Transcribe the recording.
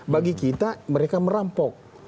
bagi kita mereka merampok